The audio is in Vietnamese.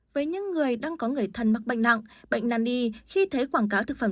với những người đang có người thân mắc bệnh nặng bệnh nặng đi khi thấy quảng cáo thực phẩm